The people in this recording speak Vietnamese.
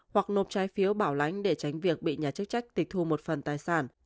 hoặc nộp trái phiếu bảo lãnh để tránh việc bị nhà chức trách tịch thu một phần tài sản